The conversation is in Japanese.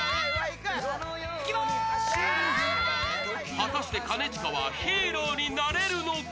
果たして兼近はヒーローになれるのか？